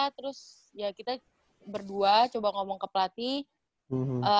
terus ya kita berdua coba ngomong ke pelatih